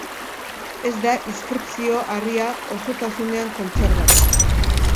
Ez da inskripzio-harria osotasunean kontserbatu.